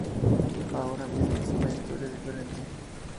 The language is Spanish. Ahora mismo es una historia diferente.